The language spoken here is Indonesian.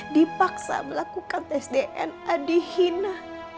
dipaksa melakukan tes dna dihina